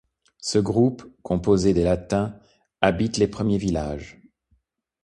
Ce groupe, composé des Latins, habite les premiers villages.